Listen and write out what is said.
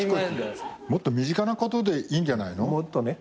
もっと身近なことでいいんじゃないの？